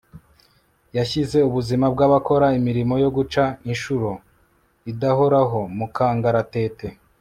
yashyize ubuzima bw' abakora imirimo yo guca inshuro (idahoraho) mu kangaratete